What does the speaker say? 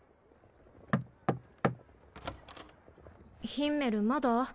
ヒンメルまだ？